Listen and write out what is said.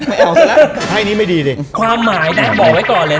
ไม่เอาเสียแล้วใต้นี้ไม่ดีเลย